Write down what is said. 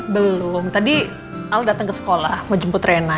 belum tadi al datang ke sekolah mau jemput rena